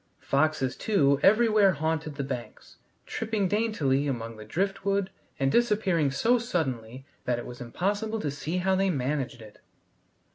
Foxes, too, everywhere haunted the banks, tripping daintily among the driftwood and disappearing so suddenly that it was impossible to see how they managed it.